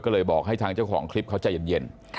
ก็เลยบอกให้ทางเจ้าของคลิปเขาใจเย็น